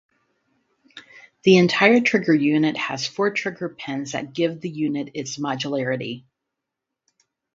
The entire trigger unit has four trigger pins that give the unit its modularity.